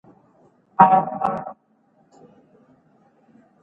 د قانون سرغړونه د ټولنې د نظم د کمزورتیا سبب کېږي